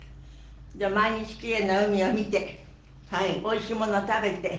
毎日キレイな海を見ておいしいものを食べて。